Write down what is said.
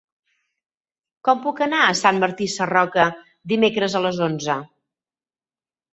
Com puc anar a Sant Martí Sarroca dimecres a les onze?